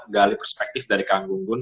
gali perspektif dari kang gunggun